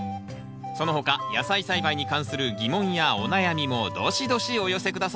その他野菜栽培に関する疑問やお悩みもどしどしお寄せ下さい。